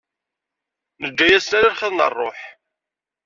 Neǧǧa-yasen ala lxiḍ n rruḥ.